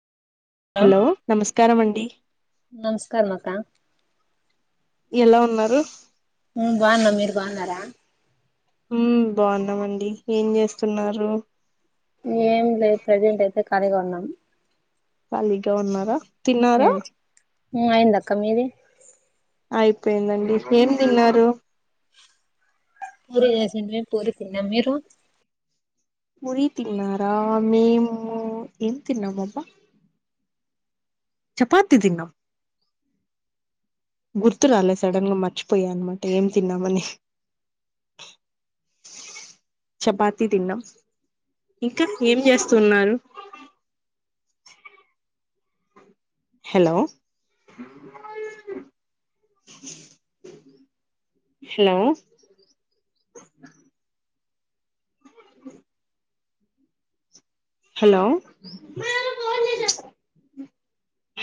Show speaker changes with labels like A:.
A: hello నమస్కార మండి
B: నమస్కారం అక్క
A: ఎలా ఉన్నారు
B: ఉ బాగున్న మీరు బాగున్నారా
A: ఉమ్ బాగున్నామండి ఏం చేస్తున్నారు
B: ఏం లేదు ప్రజెంట్ అయితే ఖాళీగా ఉన్నాం
A: ఖాళీగా ఉన్నారా తిన్నారా
B: అయిందక్క మీది
A: అయిపోయిందండి ఏం తిన్నారు
B: పూరి చేసుంటే పూరి తిన్నాం మీరు
A: పూరి తిన్నారా మేము ఎం తిన్నాము అబ్బా చపాతి తిన్నాం గుర్తురాలే సడన్ గా మర్చిపోయా అనమాట ఏం తిన్నామని
B: అ
A: చపాతీ తిన్నాం ఇంకా ఏం చేస్తున్నారు హలో హలో హలో